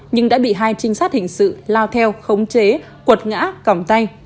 nhưng đã bị hai trinh sát hình sự lao theo khống chế quật ngã còng tay